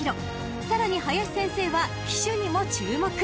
［さらに林先生は騎手にも注目］